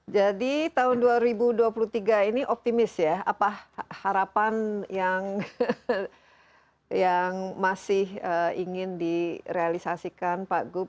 jadi tahun dua ribu dua puluh tiga ini optimis ya apa harapan yang masih ingin direalisasikan pak gub